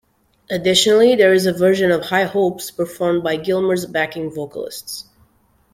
Additionally, there is a version of "High Hopes" performed by Gilmour's backing vocalists.